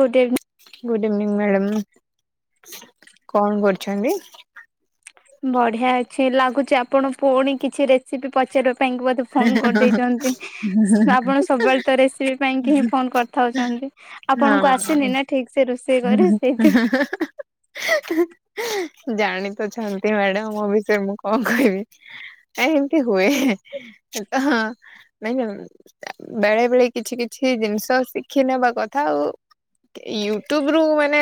ଗୁଡ ଇ good evening madam. କଣ କରୁଛନ୍ତି? ବଢିଆ ଅଛି ଲାଗୁଛି ଆପଣ ପୁଣି କିଛି ରେସିପି ପଚାରିବା ପାଇଁ କି ବ ଏ ଫୋନ କରିଦେଇଛନ୍ତି ହଁ। ଆପଣ ସବୁବେଳେ ତ ରେସିପି ପାଇଁ କି ହିଁ ଫୋନ କରିଥାଉଛନ୍ତି। ଆପଣଙ୍କୁ ଆସିନି ନା ଠିକ ସେ ରୋଷେଇ କରି ସେଇଥି ଜାଣି ତ ଛନ୍ତି ମ୍ୟାଡାମ ମୋ ବିଷୟରେ ମୁଁ କଣ କହିବି। ନାଇ ଏମିତି ହୁଏ ଉଁ ତ ନାଇ ଉଁ ବେଳେ ବେଳେ କିଛି କିଛି ଜିନିଷ ଶିଖି ନେବା କଥା ଆଉ। ୟୁଟ୍ୟୁବ ରୁ ମାନେ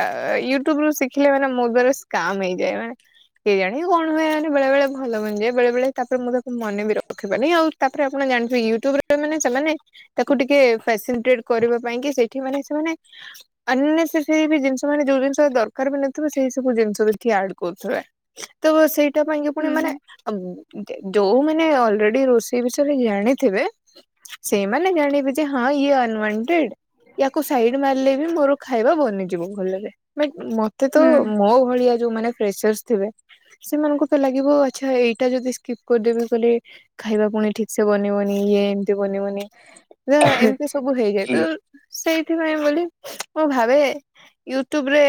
ଆ ୟୁଟ୍ୟୁବ ରୁ ଶିଖିଲେ ମାନେ ମୋ ଦ୍ଵାରରେ ସ୍କମ ହେଇଯାଏ ମାନେ କେଇ ଜାଣ କଣ ହୁଏନି ବେଳେ ବଳେ ଭଲୁନି ଯେ ବେଳେ ବଳେ ତାପରେ ମୁଁ ତାକୁ ମନେ ବି ର ରଖିବନି ଆଉ ତାପରେ ଆପଣ ଜାଣିଥିବେ ୟୁଟ୍ୟୁବରେ ମାନେ ସେମାନେ ତାକୁ ଟିକେ [unintelligible] କରିବା ପାଇଁ କି ସେଇଠି ମାନେ ସେମାନେ [unintelligible] ବି ଜିନିଷ ମାନେ ଯଉ ଜିନିଷ ଦରକାର ବି ନଥିବ ସେଇ ସବୁ ଜିନିଷ ଦେଖି ଆଡ କରୁ। ତ ସେଇଟା ପାଇଁକ ପୁଣି ହୁଁ ମାନେ [unintelligible] ଯୋଉ ମାନେ ଅ [unintelligible] ରୋଷେଇ ବିଷୟରେ ଜାଣିଥିବେ, ସେଇମାନେ ଜାଣି ହଁ ଇଏୱଣ୍ଟେଡ, ୟାକୁ ସାଇଡ ମାରିଲେ ବି ମୋର ଖାଇବା ବନିଯିବ ଭଲରେ। [unintelligible] ମତେ ତ ହୁଁ ମୋ ଭଳିଆ ଯୋଉମାନେ ପ୍ରେସର ଥବେ, ସେମାନଙ୍କୁ ତ ଲାଗିବ ଆଚ୍ଛା ଏଇଟା ଯଦି ସ୍କିପ୍ କରିଦେବି ବୋଲି ଖାଇବା ପୁଣି ଠିକ ସେ ବନିବନି ଇଏ ଏମିତି ବନିବନି। ନା ଏମିତି ସବୁ ହେଇଯାଏ ତ, ସେଇଥିପାଇଁ ବୋଲି। ମୁଁ ଭାବେ ୟୁଟ୍ୟୁବ ରେ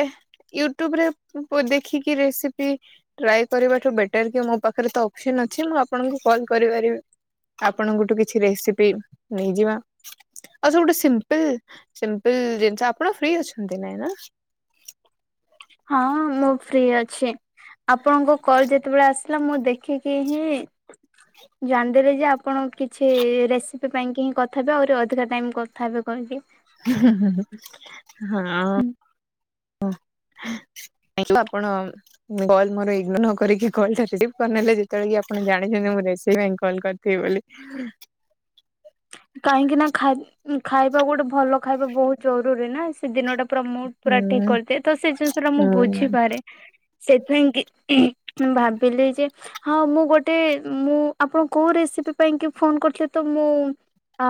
ୟୁଟ୍ୟୁବ ରେ [unintelligible] ଦେଖିକି ରେସିପି ଟ୍ରାଏ କରିବାଠୁ ବେଟର କି ମୋ ପାଖରେ ତ ଅପସନ ଅଛି ମୁଁ ଆପଣଙ୍କୁ କଲ କରିପାରିବି। ଆପଣଙ୍କଠୁ କିଛି ରେସିପି ନେଇଯିବା। ଆଉ ସବୁଟୁ ସିମ୍ପଲି, ସିମ୍ପଲ ଜିନିଷ ଆପଣ ଫ୍ରି ଅଛନ୍ତି ନାଇଁ ନା। ହଁ ମୁଁ ଫ୍ରି ଅଛି। ଆପଣଙ୍କ କଲ ଯେତେବେଳେ ଆସ ଥିଲା, ମୁଁ ଦେଖିକି ହିଁ ଜାଣିଦେବେ ଯେ ଆପଣ କିଛି ରେସିପି ପାଇଁକି ହିଁ କଥା ହେବେ, ଆହୁରି ଅଧିକା ଟାଇମ କଥା ହେବେ କହିବେ। ହୁଁ [unintelligible] [inaudible] ଆପଣ କଲ୍ ମୋର ଇଗ୍ନୋର ନକରିକି କଲ [unintelligible] କରିନେଲେ ଯେତେବେଳେ କି ଆପଣ ଜାଣିଛନ୍ତି ମୁଁ ରେ କଲ୍ କରିଥିବି ବୋଲି। [unintelligible] କାହିଁକି ନା [unintelligible] ଖାଇବା ଗୋଟେ ଭଲ ଖାଇବା ବହୁତ ଜରୁରୀ ନା। ସେ ଦିନଟା ପୁରା ମୁଡ୍ ପୁରା ହୁଁ ଠିକ କରିଦିଏ ତ ସେ ଜିନିଷ ଟା ମୁଁ ହୁଁ ବୁଝିପାରେ। ସେଥିପାଇଁ କି [unintelligible] ମୁଁ ଭାବିଲି ଯେ ହଁ ମୁଁ ଗୋଟେ ମୁଁ, ଆପଣ କୋଉ ରେସିପି ପାଇଁ କି ଫୋନ କରିଥିଲଥିଲେ ତ ମୁଁ ଅ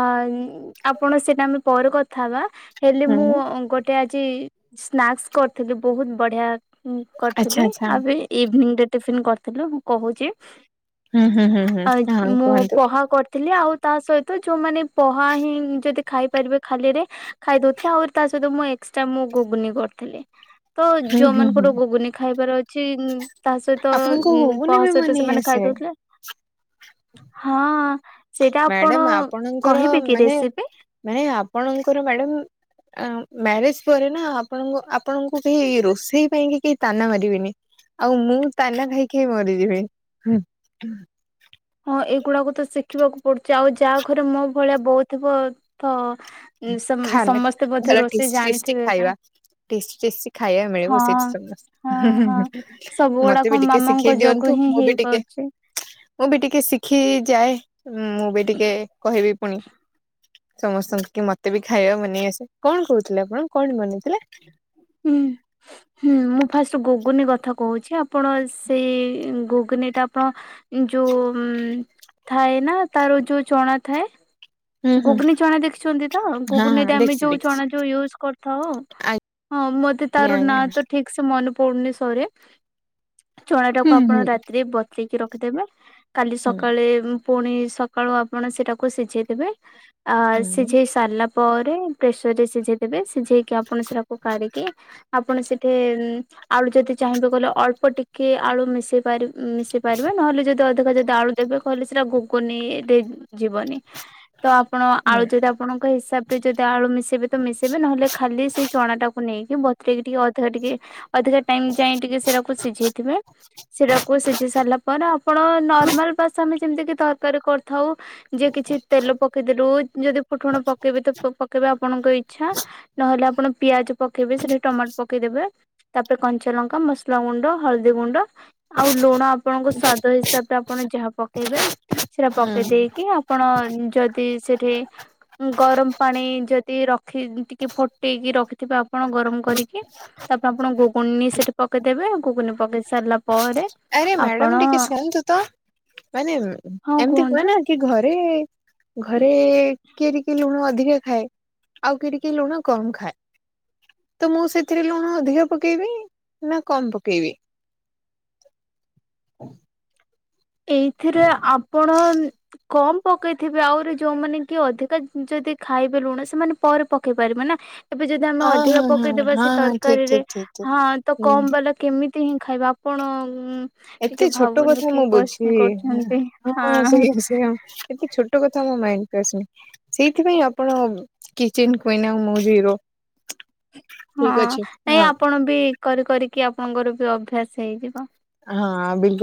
ଆପଣ ସେଇଟା ଆମେ ପରେ କଥା ହେବା, ହେଲେ ମୁଁ ହୁଁ ଗୋ ଗଟେ ଆଜି ସ୍ନାକ୍ସ କରିଥିଲି ବହୁତ ବଢିଆ ଆଚ୍ଛା କରିଥିଲି। ଆଚ୍ଛା। ଆବେ ଇଭିନିଂ ରେ ଟିଫନ୍ କରିଥିଲୁ, ମୁଁ କହୁଛି। ହୁଁ ହୁଁ ହୁଁ ହୁଁ ଆ ହଁ ମୁଁ କୁହନ୍ତୁ ପହା କରିଥିଲି ଆଉ ତା ସହି ତ ଯୋଉମାନେ ପହା ହିଁ ଯଦି ଖାଇପାରିବେ ଖାଲି ରେ ଖାଇଦଉଥିଲେ ଆହୁରି ତା ସହିତ ମୁଁ ଏସଟ୍ରା ମୁଁ ଗୁଗୁନି କରିଥିଲି। [inaudible] ତ ହୁଁ ହୁଁ ଯୋଉମାନଙ୍କ ଗୁଗୁନି ଖାଇବାର ଅଛି ଉଁ ତା ସହିତ ଆପଣଙ୍କୁ ଉ ହଉନି ପହା ବି ସହିତ ମାନେ ସେମାନେ ସେ ଖାଇଦଉଥିଲେ। ହଁ, ସେଇଟା ଆପଣ ମ୍ୟାଡାମ ଆପଣଙ୍କର କହିବେ କି ମାନେ ରେସିପି? ମାନେ ଆପଣଙ୍କର ମ୍ୟାଡାମ ଆଁ ମ୍ୟାରେଜ ପରେ ନା ଆପଣ ଆପଣଙ୍କୁ କେହି ରୋଷେଇ ପାଇଁ କି କେହି ତାନା ମାରିବେନି। ଆଉ ମୁଁ ତାନା ଖାଇ ଖାଇ ମରିଯିବି। ହଁ ଏଇଗୁଡାକୁ ତ ଶିଖିବାକୁ ପଡୁଛି। ଆଉ ଯାହା ଘରେ ମୋ ଭଳିଆ ବହୁ ଥିବ ତ [unintelligible] ଖାନା ସମସ୍ତେ ବୋଧେ ଭଲ ରୋଷେଇ ଟେଷ୍ଟି ଟେଷ୍ଟି ଜାଣିଥିବେ ନା। ଖାଇବା ଟେଷ୍ଟି ଟେଷ୍ଟି ଖାଇବା ହଁ ମିଳିବ ସେଇଠି ସମସ୍ତ ହଁ ହୁଁ ହୁଁ ହଁ ହୁଁ ସବୁ ମତେ ବି ଗୁଡାକ ଟିକେ ଶିଖେଇ ମାମାଙ୍କ ଯୋଗୁ ଦିଅନ୍ତୁ ହିଁ ମୁଁ ବି ହେଇ ଟିକେ ପରୁଛି। ମୁଁ ବି ଟିକେ ଶିଖି ଯାଏ ମୁଁ ବି ଟିକେ କହିବି ପୁଣି। ସମସ୍ତଙ୍କୁ କି ମତେ ବି ଖାଇବା ବନେଇ ଆସେ କଣ କୋହୁଥିଲେ ଆପଣ କଣ ବନେଇଥିଲେ? ହୁଁ। ହୁଁ ମୁଁ ଫାଷ୍ଟ ଗୁଗୁନି କଥା କୋହୁଚି ଆପଣ ସେଇ ଗୁ ଗୁନିଟା ଆପଣ ଏ ଯୋଉ ଥାଏ ନା ତାର ଯୋଉ ଚଣା ଥାଏ। [inaudible] ହୁଁ ଗୁଗୁନି ଚଣା ଦେଖିଚନ୍ତି ତ ହଁ ହଁ ଗୁଗୁନିରେ ଆମେ ଦେଖିଛି ଯୋଉ ଦେଖିଛି ଚଣା ଯୋଉ ୟୁଜ କରିଥାଉ। ହଁ ମତେ ଆଜ୍ଞା ତାର ଆଜ୍ଞା ନାଁ ତ ଠିକ୍ ସେ ମନେ ପଡୁନି ସରେ ଚଣା ହୁଁ ଟାକୁ ହୁଁ ଆପଣ ରାତିରେ ବ ଇକି ରଖିଦେବେ କାଲି ହୁଁ ସକାଳେ ପୁଣି ସକାଳୁ ଆପଣ ସେଇଟାକୁ ସିଝେଇଦେବେ। ଅ ହୁଁ ସିଝେଇ ସାରିଲା ପରେ ପ୍ରେସର ରେ ସିଝେଇ ଏବେ ସିଝେଇକି ଆପଣ ସେଟାକୁ କାଢିକି ଆପଣ ସେଠି ଆଳୁ ଯଦି ଚାହିଁବେ ଗଲେ ଅଳ୍ପ ଟିକେ ଆଳୁ ମିଶେଇ ପାର ମିଶେଇ ପାରିବେ ନହେଲେ ଯଦି ଅଧିକ ଯଦି ଆଳୁ ତେବେ କହିଲେ ସେଟା ଗୁଗୁନିରେ ଯିବନି ତ ଆପଣ ହୁଁ ଆଳୁ ଯଦି ଆପଣଙ୍କ ହିସାବରେ ଯଦି ଆଳୁ ମିଶେଇବେ ତ ମିଶେଇବେ ନହେଲେ ଖାଲି ସେଇ ଚଣାଟାକୁ ନେଇକି ବ ରେ ଟିକେ ଅଧିକା ଟିକେ ଅଧିକା ଟାଇମ ଯାଏଁ ଟିକେ ସେଟାକୁ ସିଝେଇଥିବେ ସେରାକୁ ସିଝି ସାରିଲା ପରେ ଆପଣ ନର୍ମାଲ ବାସ ଆମେ ଯେମିତି କି ତରକାରୀ କରିଥାଉ। ଯେ କିଛି ତେଲ ପକେଇଦେଲୁ ଯଦି ଫୁଟଣ ପକେଇବେ ତ ପକେଇବା ଆ ଆପଣଙ୍କ ଇଛା ନହେଲେ ଆପଣ ପିଆଜ ପକେଇବେ ସେଠି ଟମାଟୋ ପକେଇଦେବେ। ତାପରେ କଞ୍ଚା ଲଙ୍କା ମସଲା ଗୁଣ୍ଡ ହଳଦୀ ଗୁଣ୍ଡ ଆଉ ଲୁଣ ଆପଣଙ୍କ ସ୍ଵାଦ ହିସାବରେ ଆପଣ ଯାହା ପକେଇବେ ସେଟା ପକେଇ ହୁଁ। ଦେଇକି ଆପଣ ଯଦ ଜଦୀ ସେଠି ଗରମ ପାଣି ଯଦି ରଖି ଟିକେ ଫୁଟେଇକି ରଖି ଥିବେ ଆପଣ ଗରମ କରିକି ତାପରେ ଆପଣ ଗୁଗୁନି ସେଠି ପକେଇଦେବେ ଗୁଗୁନି ପକେଇ ସାରିଲା ପରେ ଆରେ ଆପଣ ମ୍ୟାଡାମ ଟିକେ ଶୁଅନ୍ତୁ ତ ମାନେ ହଁ ଏମତି ହୁଏ କୁହନ୍ତୁ ନା କି ଘରେ ଘରେ କିଏ ଟିକେ ଲୁଣ ଅଧିକା ଖାଏ। ଆଉ କିଏ ଟିକେ ଲୁଣ କମ ଖାଏ। ତ ମୁଁ ସେଥିରେ ଲୁଣ ଅଧିକ ପକେଇବି ନା କମ୍ ପକେଇବି? ହୁଁ ଏଇଥିରେ ଆପଣ କମ୍ ପକେଇଥିବେ ଆହୁରି ଯୋଉମାନେ କି ଅଧିକା ଯଦି ଖାଇବେ ଲୁଣ ସେମାନେ ପରେ ପକେଇ ପାରିବେ ନା। ତାପରେ ଯଦି ଆମେ ଅ ଅଧିକା ହଁ ହଁ ପକେଇଦବା ସେ ହଁ ହଁ ଠିକ ତରକାରୀରେ ଠିକ ଠିକ ଠିକ ହଁ ତ ହୁଁ କମ୍ ବାଲା କେମିତି ହିଁ ଖାଇବା ଆପଣ ଏତେ ଟିକେ ଛୋଟ ଭାବନ୍ତୁ କଥା କି ମୁଁ ବୁଝି କୋଶ୍ଚିନ୍ କରୁଛନ୍ତି ହଁ ସେଇୟା ସେଇୟା। ଏତେ ଛୋଟ କଥା ମୋ ମାଇଣ୍ଡ କୁ [unintelligible] ସେଇଥିପାଇଁ ଆପଣ କିଚିନ କୁଇନ ମୁଁ ଜିରୋ। ଠିକ ହଁ ଅଛି ନାଇଁ ହଁ ଆପଣ ବି କରି କରିକି ଆପଣଙ୍କର ବି ଅଭ୍ୟାସ ହେଇଯିବ। ହଁ ବିିଲ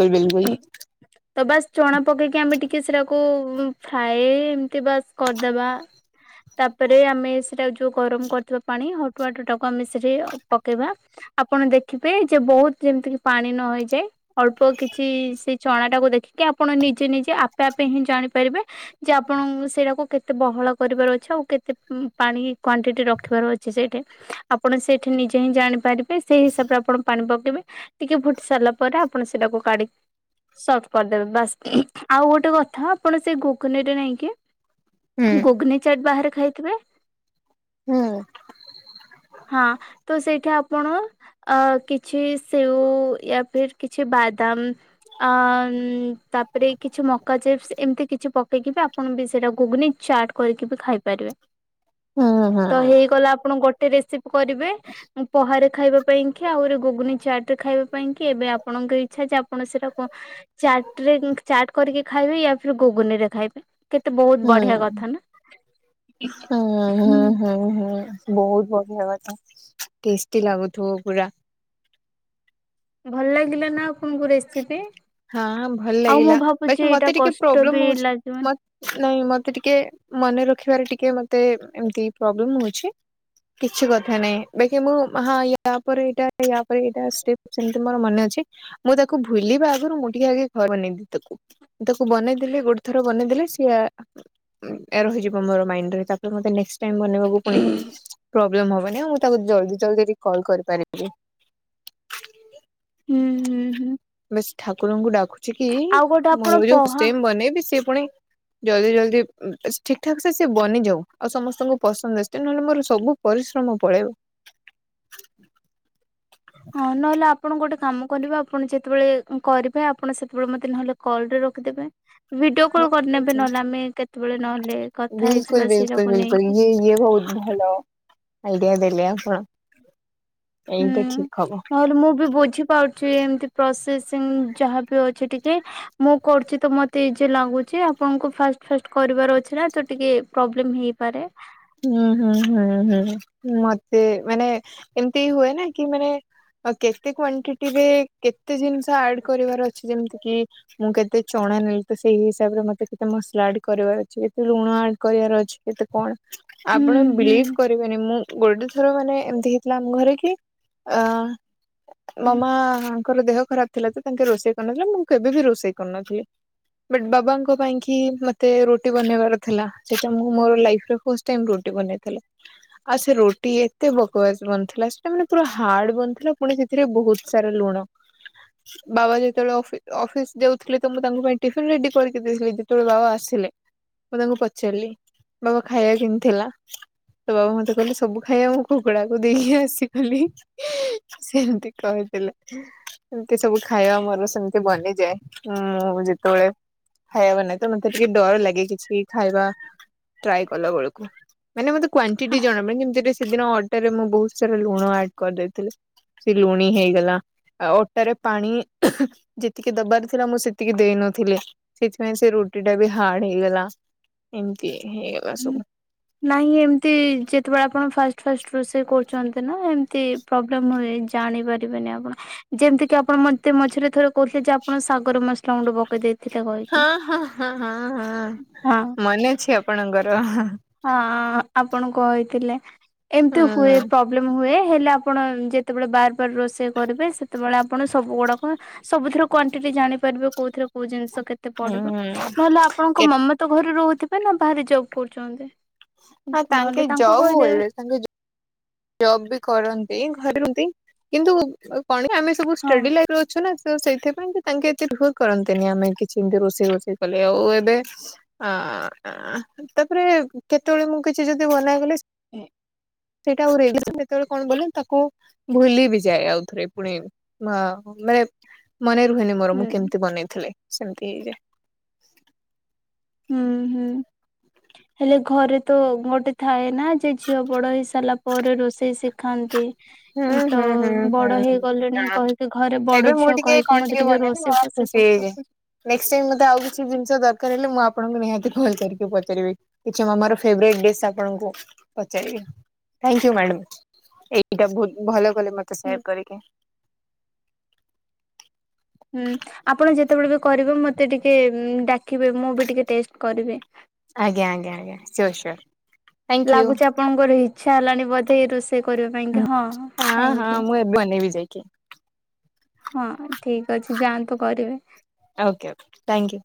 [inaudible] ତ ବାସ ଚଣା ପକେଇକି ଆମେ ଟିକେ ସେଟାକୁ ଫ୍ରାଏ ଏମତି ବାସ୍ କରିଦବା। ତାପରେ ଆମେ ସେଟା ଯୋଉ ଗରମ କରିଥିବା ପାଣି ୱାଟରଟାକୁ ଆମେ ସେଠୀ ପକେଇବା। ଆପଣ ଦେଖିବେ ଯେ ବୋହୁତ ଯେମିତି କି ପାଣି ନହେ ଇଯାଏ ଅଳ୍ପ କିଛି କିଛି ସେ ଚଣାଟାକୁ ଦେଖିକି ଆପଣ ନିଜେ ନିଜେ ଆପେ ଆପେ ହିଁ ଜାଣିପାରିବେ। ଯେ ଆପଣ ସେଇଟାକୁ କେତେ ବହଳ କରିବାର ଅଛି ଆଉ କେତେ ପାଣି କ୍ଵାଣ୍ଟିଟି ରଖିବାର ଅଛି ସେଇଠେ। ଆପଣ ସେଇଠି ନିଜେ ହିଁ ଜାଣିପାରିବେ ସେଇ ହିସାବରେ ଆପଣ ପାଣି ପକେଇବେ। ଟିକେ ଫୁଟି ସାରିଲା ପରେ ଆପଣ ସେଟାକୁ କାଢିକି ସଟ କରିଦେବେ ବାସ୍ ଆଉ ଗୋଟେ କଥା ଆପଣ ସେ ଗୁଗୁଲିରେ ନେଇଁକି। ହୁଁ ଗୁଗନି ଚାଟ ବାହାରେ ଖାଇଥିବେ। ହୁଁ ହଁ ତ ସେଇଠୁ ଆପଣ। ଆ କିଛି ସେଓ ୟା ଫିର୍ କିଛି ବାଦାମ। ଅ ଉଁ ତାପରେ କିଛି ମକା ଚିପ୍ସ ଏମିତି କିଛି ପ ପେକିବା ଆପଣ ବି ସେଟା ଗୁଗନି ଚାଟ୍ କରିକି ବି ଖାଇପାରିବେ। ହୁଁ ହୁଁ ତ ହେଇଗଲା ଆପଣ ଗୋଟେ ରେସିପି କରିବେ ପହାରେ ଖାଇବା ପାଇଁ। କି ଆହୁରି ଗୁଗୁନି ଚାଟ୍ ଖାଇବା ପାଇଁ କି ଏବେ ଆପଣଙ୍କ ଇଛା ଚପ। ଆପଣ ସେଟାକୁ ଚାଟ୍ରିଙ୍ଗି ଚାଟ୍ କରିକି ଖାଇବେ ୟା ଫିର୍ ଗୁଗୁନିରେ ଖାଇବେ। କେତେ ବହୁତ ହଁ ବଢିଆ କଥା ନା। ହଁ ହଁ ହୁଁ। ହଁ ହଁ ହଁ। ବହୁତ ବଢିଆ କଥା ଟେଷ୍ଟି ଲାଗୁଥୁବ ପୁରା। ଭଲ ଲାଗିଲା ନା ଆପଣଙ୍କୁ ରେସିପି। ହଁ ଭଲ ଆଉ ମୁଁ ଲାଗିଲା ଭାବୁଛି ବାକି ଏଇଟା ମତେ ଟିକେ କଷ୍ଟ ବି ପ୍ରୋବ୍ଲେମ ହଉଚି ଲାଗିବ ମ ନାଇଁ ମତେ ଟିକେ ମନେ ରଖିବାରେ ଟିକେ ମତେ ଏମିତି ପ୍ରୋବ୍ଲେମ ହଉଛି। କିଛି କଥା ନାଇଁ ବାକି ମୁଁ ହଁ ୟା ପରେ ଏଇଟା। ୟା ପରେ ଏଇଟା ଷ୍ଟେପ୍ ସେମତି ମୋର ମନେ ଅଛି ମୁଁ ତାକୁ ଭୁଲିବା। ଥରୁ ମୁଁ ଟିକେ ଆଗେ ଘ ବନେଇବି ତାକୁ ତାକୁ ବନେଇଦେଲେ ଗୋଟେ ଥର ବନେଇଦେଲେ ସିଆ। ହୁଁ ଏୟା ରହିଯିବ ମୋର ମାଇଣ୍ଡରେ ତା ମତେ ନେକ୍ସ ଟାଇମ୍ ବନେଇବାକୁ ପୁଣି ପ୍ରୋବ୍ଲେମ ହବନି ମୁଁ ତାକୁ ଜଲଦି ଜଲଦି ଟି କଲ୍ କରିପାରିବି। ହୁଁ ହୁଁ ହୁଁ। ବାସ୍ ଠାକୁରଙ୍କୁ ଡାକୁଛି କି ଆଉ ଗୋଟେ ଆପଣ ମୁଁ ଯୋଉ ପହା ଷ୍ଟେମ୍ ବନେଇବି ସିଏ ପୁଣି। ଜଲଦି ଜଲଦି ଠିକ୍ ଠାକସେ ସେ ବନିଯାଉ ଆଉ ସମସ୍ତଙ୍କୁ ପସନ୍ଦ ଆସୁ ତେଣୁ ନହେଲେ ମୋର ସବୁ। ପରିଶ୍ରମ ପଳେଇବ। ହଁ ନହେଲେ ଆପଣ ଗୋଟେ କାମ କରିବେ ଆପଣ ଯେତେବେଳେ କରିବେ ଆପଣ ସେତେବେଳେ ମତେ ନହେଲେ କଲରେ ରଖିଦେବେ। ଭିଡିଓ କଲ୍ କରିନେବେ ନହେଲେ ଆମେ କେତେବେଳେ ନହେଲେ କଥା ବିଲକୁଲ ହେଇଯିବା ବିଲକୁଲ ସେରାକୁ ବିଲକୁଲ ନେଇକି। ଇଏ ଇଏ ବହୁଳୁ ଭଲ ଆଇଡିଆ ଦେଲେ ଆପଣ। ଏଇଟା ହୁଁ ଠିକ୍ ହବ। ନହେଲେ ମୁଁ ବି ବୁଝିପା ଚି ଏମତି ପ୍ରୋସେସିଂ ଯାହା ବି ଅଛି ଟିକେ। ମୁଁ କରୁଚି ତ ମତେ ଇଜି ଲାଗୁଚି ଆପଣଙ୍କୁ ଫାଷ୍ଟ ଫାଷ୍ଟ କରିବାର ଅଛି ନା ତ ଟିକେ ପ୍ରୋବ୍ଲେମ ହେଇ ପାରେ। ହୁଁ ହୁଁ ହୁଁ ହୁଁ ହୁଁ ମତେ ମାନେ ଏମିତି ହୁଏ ନା କି ମାନେ ଅ କେତେ କ୍ଵାଣ୍ଟିଟିରେ କେତେ ଜିନିଷ ଆଡ୍ କରିବାର ଅଛି ଯେମତିକି। ମୁଁ କେତେ ଚଣା ନେଲି ତ ସେଇ ହିସାବରେ ମତେ କେତେ ମସଲା ଆଡ କରିବାର ଅଛି ଏତେ ଲୁଣ ଆଡ କରିବାର ଅଛି। କେତ କଣ ହୁଁ ଆପଣ ହୁଁ ବିଲିଭ କରିବେନି ମୁଁ ଗୋଟେ ଥର ମାନେ ଏମତି। ଥିଲା ଆମ ଘରେ କି ଆ ମାମା। ତାଙ୍କର ଦେହ ଖରାପ ଥିଲା ତ ତାଙ୍କେ ରୋଷେଇ କରିନଥିଲେ ମୁଁ କେବେ ବି ରୋଷେଇ କରିନଥିଲି। ବଟ୍ ବାବାଙ୍କ ପାଇଁ କି ମତେ ରୁଟି ବନେଇବାର ଥିଲା ସେଇଟା ମୁଁ ମୋର ଲାଇଫି ର। ଫଷ୍ଟ ଟାଇମ୍ ରୁଟି ବନେଇଥିଲି। ଆଉ ସେ ରୁଟି ଏତେ ବକବାସ୍ ବନିଥିଲା ସେଇଟା ମାନେ ପୁରା ହାର୍ଡ ବନିଥିଲା ପୁଣି ସେଥିରେ ବହୁତ ସାରା ଲୁଣ। [unintelligible] ବାବା ଯେତେବେଳେ ଅଫି ଅଫିସ ଯାଉଥିଲେ ତ ମୁଁ ତାଙ୍କୁ ପାଇଁ ଟିଫିନ ରେଡି କରିକି ଦେଇ ଦେଇ ଯେତେବେଳେ ବାବା ଆସିଲେ। ମୁଁ ତାଙ୍କୁ ପଚାରିଲି। ବାବା ଖାଇବା କେମତି ହେଲା? ତ ବାବା ମତେ କହିଲେ ସବୁ ଖାଇବା ମୁଁ କୁକୁଡାଙ୍କୁ ଦେଇକି ଆସିଗଲି। ସେମତି କହିଥିଲେ। ଏମତି ସବୁ ଖାଇବା ମୋର ସେମତି ବନିଯାଏ ମୁଁ ଯେତବଳେ ଖାଇବା ବନାଏ ତ ମତେ ଟିକେ ଡର ଲାଗେ କିଛି ଖାଇବା ଟ୍ରାଏ କଲାବେଳୁକୁ ମାନେ ମୋତେ କ୍ଵାଣ୍ଟିଟି ଜଣା ମାନେ ଯେମିତି ସେଦିନ ଟାରେ ମୁଁ ବହୁତ ସାରା ଲୁଣ ଆଡ କରିଦେଇଥିଲି ସେ ଲୁଣି ହେଇଗଲା। ଆଉ ଅଟାରେ ପାଣି ଯେତିକି ଦବାର ଥିଲା ମୁଁ ସେତିକି ଦେଇନଥିଲି। ସେଥିପାଇଁ ସେ ରୁଟି ଟା ବି ହାର୍ଡ ହେଇଗଲା ଏମତି ହେଇଗଲା ହୁଁ। ସବୁ। ନାଇଁ ଏମତି ଯେତେବେଳେ ଆପଣ ଫାଷ୍ଟ ଫାଷ୍ଟ ରୋଷେଇ କରୁଚନ୍ତି ନା ଏମତି ପ୍ରୋବ୍ଲେମ୍ ହୁଏ ଜାଣିପାରିବେନି ଆପଣ। ଯେମତିି କି ଆପଣ ମତେ ମଝିରେ ଥରେ କହୁଥିଲେ ଯେ ଆପଣ ଶାଗରେ ମସଲା ଗୁଣ୍ଡ ପକେଇ ଦେଇ ହଁ ହଁ ହଁ ହଁ ହଁ ମନେ ଅଛି ଆପଣଙ୍କର? ହଁ ଆପଣ କହିଥିଲେ ହୁଁ ଏମତି ହୁଏ ପ୍ରୋବ୍ଲେମ ହୁଏ ହେଲେ ଆପଣ ଯେ ଯେତେବେଳେ ବାର ବାର ରୋଷେଇ କରିବେ ସେତେବେଳେ ଆପଣ ସବୁଗୁଡାକ ସବୁଥିରୁ କ୍ଵାଣ୍ଟିଟି ଜାଣିପାରିବେ କୋଉଥିରେ କୋଉ ଜିନିଷ କେତେ ପଡିବ ହୁଁ ନହେଲେ ଆପଣଙ୍କ କେ ମମା ତ ଘରେ ରହୁଥିବ ନା ବାହାରେ ଜବ୍ କରୁଛନ୍ତି? ନାଁ ନହେଲେ ତାଙ୍କେ ତାଙ୍କୁ ଯବ୍ କହିଦେବେ ବୋଇଲେ ତାଙ୍କେ ଜ ଜବ୍ ବି କରନ୍ତି ଘରେ ରୁହନ୍ତି କିନ୍ତୁ କଣକି ଆମେ ସବୁ ହଁ ଷ୍ଟଡି ଲାଇ ରେ ଅଛୁ ନା ତ ସେଇଥିପାଇଁ ତାଙ୍କେ ଏତେ ଭୁଲ କରନ୍ତିନି ଆମେ କିଛି ଏମିତି ରୋଷେଇ ଭୋଷେଇ କଲେ ଆଉ ଏବେ ଆଆ ଆଃ ତାପରେ କେତବେଳେ ମୁଁ କିଛି ଯଦି ମନାକଲି [inaudible] ଆଉରେ ସେତେବେଳେ କଣ କଲେ ତାକୁ ଭୁଲି ବି ଯାଏ ଆଉ ଥରେ ପୁଣି। ମା ମାନେ ମନେ ରୁହେନି ମୋର ମୁଁ ହୁଁ। କେମିତି ବନେଇଥିଲି ସେମତି ହେଇଯାଏ। ହୁଁ ହୁଁ। ହେଲେ ଘରେ ତ ଗୋଟେ ଥାଏ ନା ଯେ ଝିଅ ବଡ ହେଇ ସାରିଲା ପରେ ରୋଷେଇ ଶିଖାନ୍ତି। ହୁଁ ତ ହୁଁ ହୁଁ ହୁଁ ବଡ ହେଇଗଲିଣି ହୁଁ କହିକି ଘରେ ଏବେ ବଡ ମୁଁ ଝିଅ ଟିକେ କହିକି ମତେ ଟିକେ ରୋଷେଇ ଫୋଷେ ସେ ସବୁ [unintelligible] ନେକ୍ସଟ ମତେ ଆଉ କିଛି ଜିନିଷ ଦରକାର ହେଲେ ମୁଁ ଆପଣଙ୍କୁ ନିହାତି କଲ କରିକି ପଚାରିବି। କିଛି ମାମା ର ଫେବରାଇଟ ଡିସ ଆପଣଙ୍କୁ ପଚାରିବି ଥ୍ୟାଙ୍କ୍ୟୁ ମାଡାମ। ଏଇଟା ବହୁତ ଭଲ କଲେ ମତେ ହୁଁ ସେୟାର କରିକି। ହୁଁ ଆପଣ ଯେତେବେଳେ ବି କରିବେ ମତେ ଟିକେ ଡାକିବେ ମୁଁ ବି ଟିକେ ଟେଷ୍ଟ କରିବି। ଆଜ୍ଞା ଆଜ୍ଞା ଆଜ୍ଞା ସିଓର ସିଓର। ଥ୍ୟାଙ୍କ ୟୁ ଲାଗୁଛି ଆପଣଙ୍କର ଇଚ୍ଛା ହେଲାଣି ବୋଧେ ଏ ରୋଷେଇ କରିବା ପାଇଁକା ହଁ କାଇଁ ହଁ ମୁଁ ଏବନେଇବି ଯାଇ ଓକେ [inaudible] ହଁ ଠିକ ଅଛି ଯାଆନ୍ତୁ କରିବେ। Okay okay thank you.